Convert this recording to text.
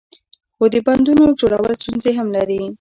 خو د بندونو جوړول ستونزې هم لري.